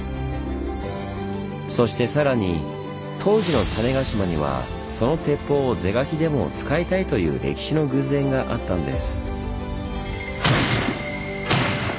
そしてさらに当時の種子島にはその鉄砲を是が非でも使いたいという歴史の偶然があったんです。